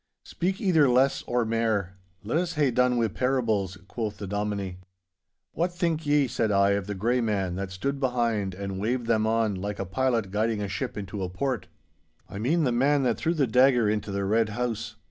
'Speak either less or mair—let us hae done wi' parables!' quoth the Dominie. 'What think ye,' said I, 'of the Grey Man that stood behind and waved them on, like a pilot guiding a ship into a port? I mean the man that threw the dagger into the Red House.